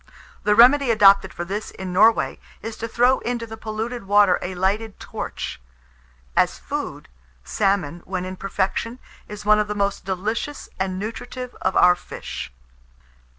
The remedy adopted for this in Norway, is to throw into the polluted water a lighted torch. As food, salmon, when in perfection, is one of the most delicious and nutritive of our fish.